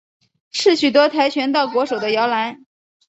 是许多跆拳道国手的摇篮。